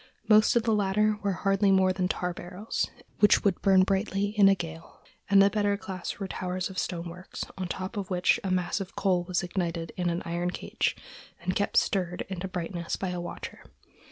Most of the latter were hardly more than tar barrels, which would burn brightly in a gale, and the better class were towers of stonework, on top of which a mass of coal was ignited in an iron cage, and kept stirred into brightness by a watcher.